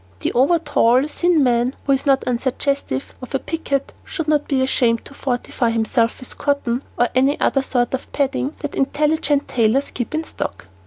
The over tall, thin man, who is not unsuggestive of a picket, should not be ashamed to fortify himself with cotton or any other sort of padding that intelligent tailors keep in stock.